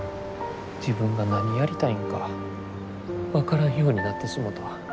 自分が何やりたいんか分からんようになってしもた。